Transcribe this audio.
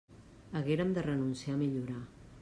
Hagueren de renunciar a millorar.